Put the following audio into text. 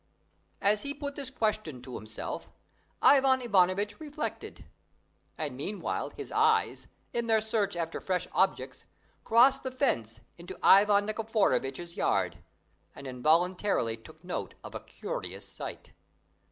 As he put this question to himself, Ivan Ivanovitch reflected; and meantime his eyes, in their search after fresh objects, crossed the fence into Ivan Nikiforovitch's yard and involuntarily took note of a curious sight.